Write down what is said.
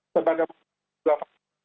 sebagai prosedur tainannya itu aman